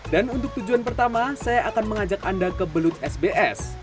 dan untuk tujuan pertama saya akan mengajak anda ke belut sbs